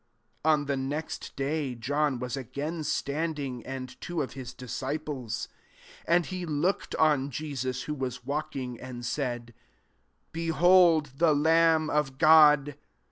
35 On the next day, John was again standing, and two of his disciples: 36 and he looked on Jesus, who fera« walk ings and said, ^< Behold the Lamb of God."